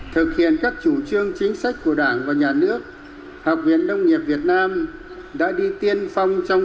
thực hiện các chủ trương chính sách của đảng và nhà nước học viện nông nghiệp việt nam đã đi tiên phong trong